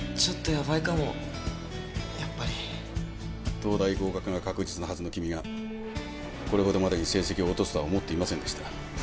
東大合格が確実のはずの君がこれほどまでに成績を落とすとは思っていませんでした。